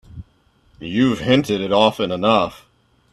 You've hinted it often enough.